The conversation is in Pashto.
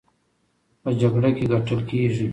په جګړه کې ګټل کېږي،